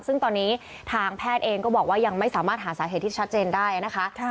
ซึ่งตอนนี้ทางแพทย์เองก็บอกว่ายังไม่สามารถหาสาเหตุที่ชัดเจนได้นะคะ